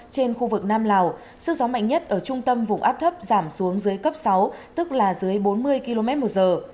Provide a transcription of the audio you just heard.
trên khu vực nam lào sức gió mạnh nhất ở trung tâm vùng áp thấp giảm xuống dưới cấp sáu tức là dưới bốn mươi km một giờ